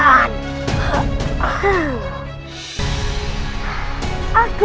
aku tidak minta apa apa